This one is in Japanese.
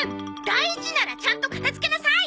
大事ならちゃんと片付けなさい！